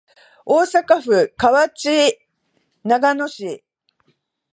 大阪府河内長野市